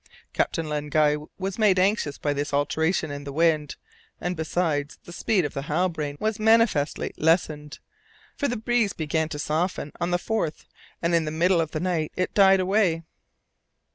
Captain Len Guy was made anxious by this alteration in the wind, and besides, the speed of the Halbrane was manifestly lessened, for the breeze began to soften on the 4th, and in the middle of the night it died away.